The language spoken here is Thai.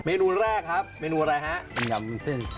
เดินเข้ามาใกล้เลยบ้างคะ